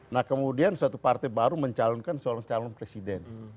nah kemudian satu partai baru mencalonkan seorang calon presiden